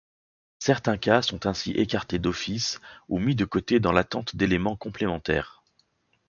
Certains cas sont ainsi écartés d'office, ou mis de côté dans l'attente d'éléments complémentaires.